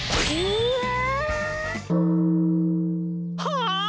はあ